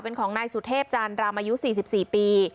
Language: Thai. เป็นของนายสุทธเทพจารราอายุสี่สิบสี่ปี